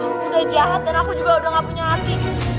aku udah jahat dan aku juga udah gak punya hati